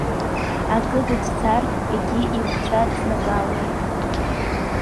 Акы дацәцар, егьи ихәцәа ҵнакаауан.